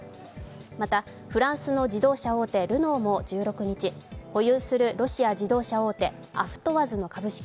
またフランスの自動車大手ルノーも１６日保有するロシア自動車大手アフトワズの株式